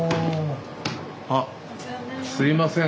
あっすいません